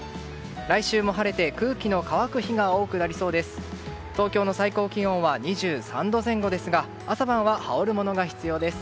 来週も晴れて空気の乾く日が多くなりそうです。